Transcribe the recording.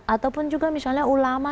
ataupun juga misalnya ulama